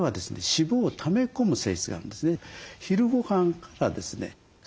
脂肪をため込む性質があるんですね。